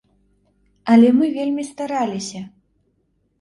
Але мы вельмі стараліся.